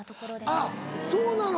あっそうなの。